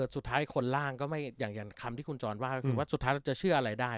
สุดท้ายคนล่างก็ไม่อย่างคำที่คุณจรว่าก็คือว่าสุดท้ายเราจะเชื่ออะไรได้